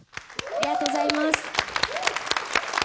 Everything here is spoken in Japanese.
ありがとうございます。